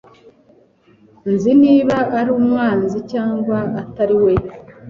Nzi niba ari umwanzi cyangwa atari we.